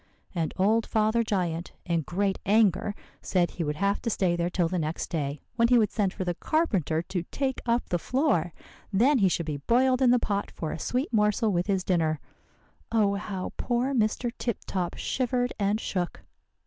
And old Father Giant, in great anger, said he would have to stay there till the next day, when he would send for the carpenter to take up the floor. Then he should be boiled in the pot for a sweet morsel with his dinner. Oh, how poor Mr. Tip Top shivered and shook!